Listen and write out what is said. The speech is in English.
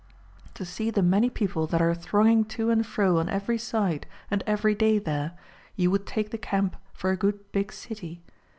To see the many people that are thronging to and fro on every side and every day there, you would take the camp for a good big city.